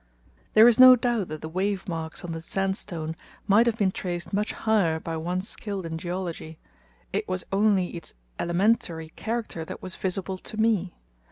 There is no doubt that the wave marks on the sandstone might have been traced much higher by one skilled in geology; it was only its elementary character that was visible to me.